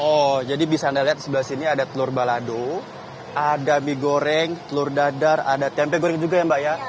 oh jadi bisa anda lihat di sebelah sini ada telur balado ada mie goreng telur dadar ada tempe goreng juga ya mbak ya